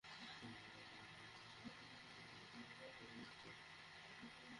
ক্রীড়া ভাষ্যকার Keith Olbermann জানিয়েছেন, ট্রাম্প টাওয়ারে তাঁর অ্যাপার্টমেন্ট তিনি বিক্রি করে দিয়েছেন।